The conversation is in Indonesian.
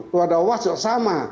tuadawas juga sama